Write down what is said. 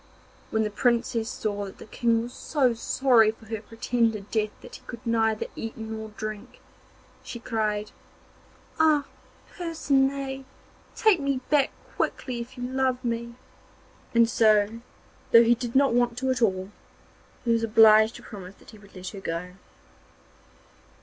When the Princess saw that the King was so sorry for her pretended death that he could neither eat nor drink, she cried: 'Ah, Percinet! take me back quickly if you love me.' And so, though he did not want to at all, he was obliged to promise that he would let her go.